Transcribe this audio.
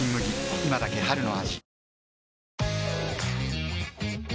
今だけ春の味